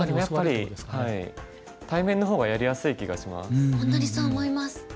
やっぱり対面の方がやりやすい気がします。